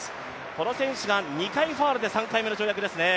この選手が２回ファウルで、３回目の跳躍ですね。